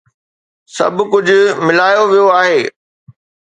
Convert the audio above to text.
سڀ ڪجهه ملايو ويو آهي.